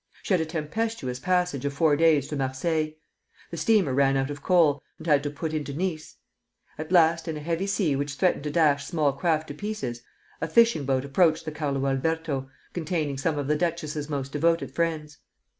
She had a tempestuous passage of four days to Marseilles. The steamer ran out of coal, and had to put into Nice. At last, in a heavy sea which threatened to dash small craft to pieces, a fishing boat approached the "Carlo Alberto," containing some of the duchess's most devoted friends.